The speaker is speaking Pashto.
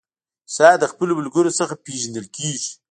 انسان د خپلو ملګرو څخه پیژندل کیږي.